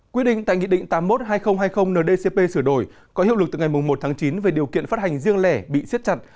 quy định tại nghị định tám mươi một hai nghìn hai mươi ndcp sửa đổi có hiệu lực từ ngày một tháng chín về điều kiện phát hành riêng lẻ bị siết chặt